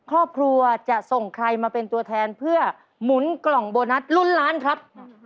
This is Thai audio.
ครอบครัวจะส่งใครมาเป็นตัวแทนเพื่อหมุนกล่องโบนัสลุ้นล้านครับ